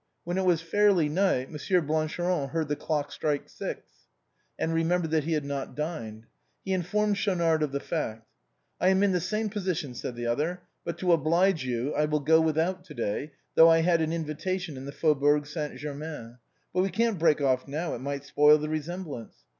When it was fairly night, Monsieur Blancheron heard the clock strike six, and remembered that he had not dined. He informed Schau nard of the fact. " I am in the same position," said the other ;" but to oblige you, I will go without to day, though I had an in vitation in the Faubourg St. Germain. But we can't break off now ; it might spoil the resemblance."